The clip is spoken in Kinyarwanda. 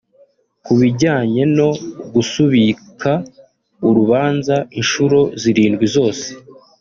Ku bijyanye no gusubika urubanza inshuro zirindwi zose